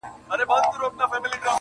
خپل تعلیم یې کئ پوره په ښه مېړانه,